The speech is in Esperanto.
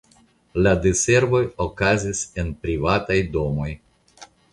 La diservoj okazis en privataj domoj.